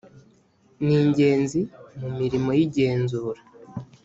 ni ingenzi mu mirimo y igenzura